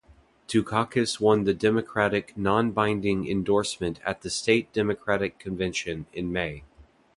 Dukakis won the Democratic non-binding endorsement at the State Democratic Convention in May.